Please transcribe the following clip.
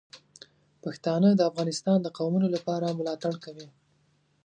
پښتانه د افغانستان د قومونو لپاره ملاتړ کوي.